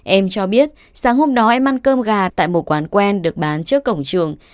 em cho biết sáng hôm đó em ăn cơm gà tại một quán quen được bán trước cổng trường